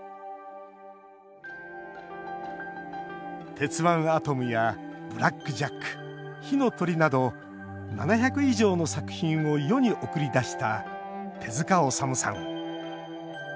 「鉄腕アトム」や「ブラック・ジャック」「火の鳥」など７００以上の作品を世に送り出した手塚治虫さん。